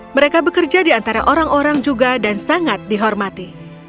mereka bekerja di antara orang orang juga dan sangat dihormati